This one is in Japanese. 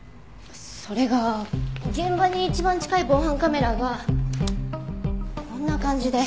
それが現場に一番近い防犯カメラがこんな感じで。